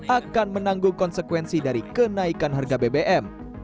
akan menanggung konsekuensi dari kenaikan harga bbm